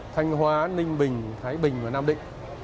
thanh hóa ninh bình thái bình và nam định